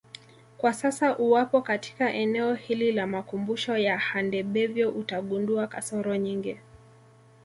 Kwa sasa uwapo katika eneo hili la makumbusho ya Handebevyo utagundua kasoro nyingi